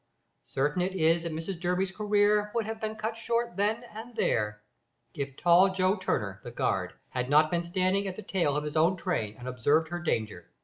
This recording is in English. Certain it is that Mrs Durby's career would have been cut short then and there, if tall Joe Turner, the guard, had not been standing at the tail of his own train and observed her danger.